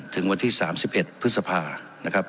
ถึงวันที่๓๑พฤษภาคม